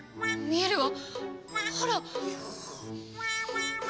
見えるぞ！